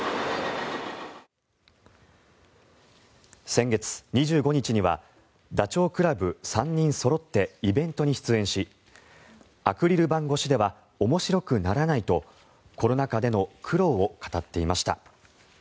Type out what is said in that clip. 先月２５日にはダチョウ倶楽部３人そろってイベントに出演しアクリル板越しでは面白くならないとコロナ禍での苦労を語っていました。